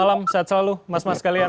selamat malam sehat selalu mas mas kalian